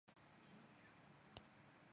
家纹是六鸠酢草纹。